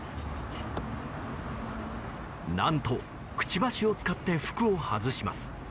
何と、くちばしを使って服を外します。